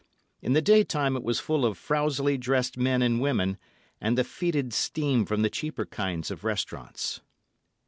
In the day time it was full of frowsily dressed men and women and the fœtid steam from the cheaper kinds of restaurants.